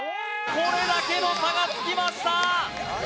これだけの差がつきました